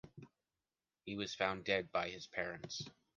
He was found dead by his parents.